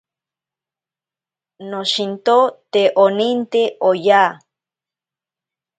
Noshinto te oninte oya.